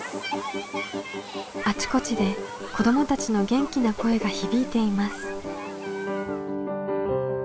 あちこちで子どもたちの元気な声が響いています。